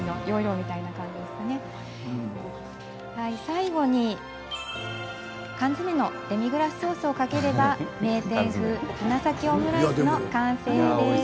最後に缶詰のデミグラスソースをかければ名店風花咲きオムライスの完成です。